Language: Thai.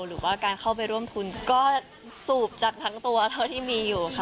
หรือว่าการเข้าไปร่วมทุนก็สูบจากทั้งตัวเท่าที่มีอยู่ค่ะ